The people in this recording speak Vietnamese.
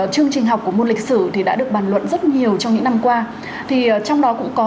chương trình học của môn lịch sử đã được bàn luận rất nhiều trong những năm qua trong đó cũng có